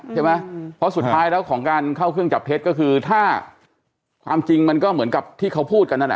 ใช่ไหมเพราะสุดท้ายแล้วของการเข้าเครื่องจับเท็จก็คือถ้าความจริงมันก็เหมือนกับที่เขาพูดกันนั่นแหละ